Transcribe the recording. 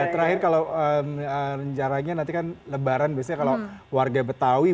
terakhir kalau rencananya nanti kan lebaran biasanya kalau warga betawi